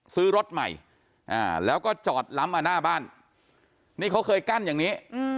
ซื้อรถใหม่แล้วก็จอดล้ำมาหน้าบ้านนี่เขาเคยกั้นอย่างนี้